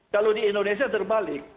kalau di indonesia terbalik